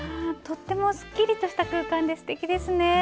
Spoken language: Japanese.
とってもすっきりとした空間ですてきですね。